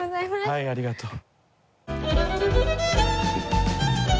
はいありがとう。